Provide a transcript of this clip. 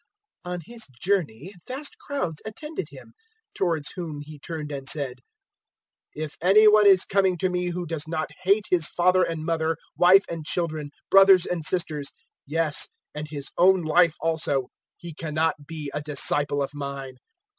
'" 014:025 On His journey vast crowds attended Him, towards whom He turned and said, 014:026 "If any one is coming to me who does not hate his father and mother, wife and children, brothers and sisters, yes and his own life also, he cannot be a disciple of mine.